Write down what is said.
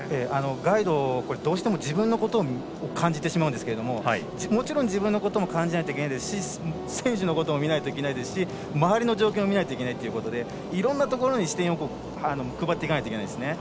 ガイド、どうしても自分のことを感じてしまうんですけれどももちろん自分のことも感じないといけないですし選手のことも見ないといけないですし周りの状況も見ないといけないのでいろんなところに視点を配っていかないといけないですね。